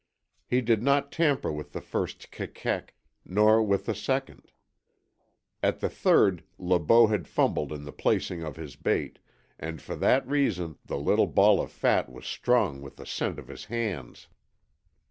He did not tamper with the first KEKEK, nor with the second. At the third Le Beau had fumbled in the placing of his bait, and for that reason the little ball of fat was strong with the scent of his hands.